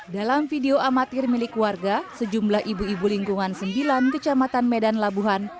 dalam video amatir milik warga sejumlah ibu ibu lingkungan sembilan kecamatan medan labuhan